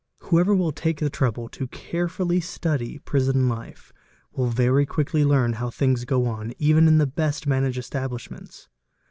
|| Whoever will take the trouble carefully to study prison life, will very quickly learn how things go on, even in the best managed establishments.